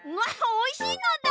おいしいのだ！